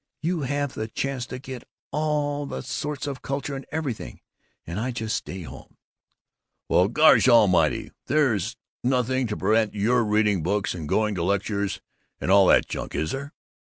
You have the chance to get all sorts of culture and everything, and I just stay home " "Well, gosh almighty, there's nothing to prevent your reading books and going to lectures and all that junk, is there?"